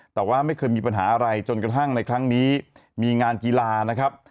แต่ว่าไม่เคยมีปัญหาอะไรจนกระทั่งในครั้งนี้มีงานกีฬานะครับ